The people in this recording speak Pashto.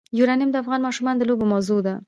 یورانیم د افغان ماشومانو د لوبو موضوع ده.